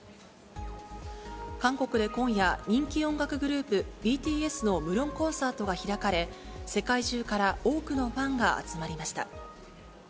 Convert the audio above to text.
韓国で今夜、人気音楽グループ、ＢＴＳの無料コンサートが開かれ、世界中から多くのファンが集まりました。